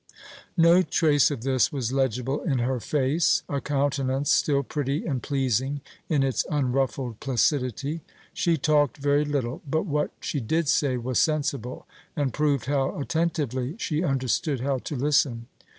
No trace of this was legible in her face, a countenance still pretty and pleasing in its unruffled placidity. She talked very little, but what she did say was sensible, and proved how attentively she understood how to listen.